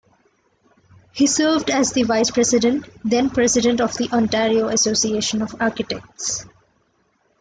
He served as the Vice-President, then President of the Ontario Association of Architects.